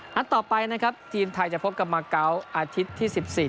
นัดต่อไปนะครับทีมไทยจะพบกับมาเกาะอาทิตย์ที่๑๔